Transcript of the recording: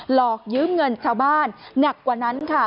หลอกยืมเงินชาวบ้านหนักกว่านั้นค่ะ